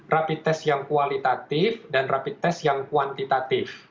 rapid test yang kualitatif dan rapid test yang kuantitatif